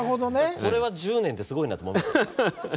これは１０年ってすごいなと思いました。